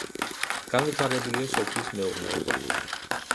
განვითარებულია სოფლის მეურნეობა.